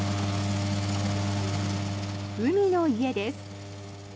海の家です。